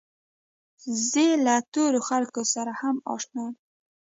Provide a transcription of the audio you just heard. وزې له تورو خلکو سره هم اشنا ده